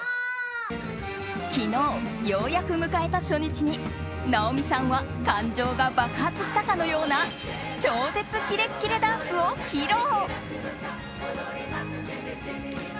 昨日、ようやく迎えた初日に直美さんは感情が爆発したかのような超絶キレッキレダンスを披露。